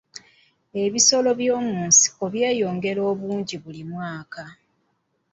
Ebisolo by'omu nsiko byeyongera obungi buli mwaka.